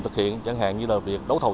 thực hiện chẳng hạn như là việc đấu thầu